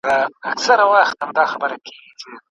ملګرو داسي وخت به راسي چي یاران به نه وي